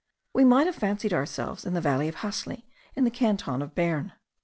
We might have fancied ourselves in the valley of Hasli, in the canton of Berne.